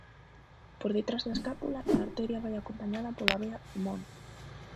Por detrás da escápula a arteria vai acompañada pola vea homónima.